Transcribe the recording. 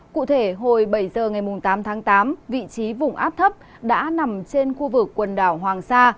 cụ thể hồi bảy giờ ngày tám tháng tám vị trí vùng áp thấp đã nằm trên khu vực quần đảo hoàng sa